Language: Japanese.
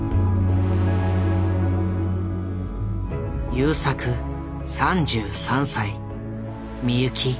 優作３３歳美由紀２１歳。